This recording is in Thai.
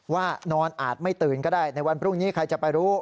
ว่านอนอาจไม่ตื่นก็ได้ในวันพรุ่งนี้ใครจะไปรู้